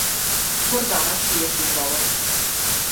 Гордана шиеше убаво.